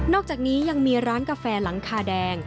อกจากนี้ยังมีร้านกาแฟหลังคาแดง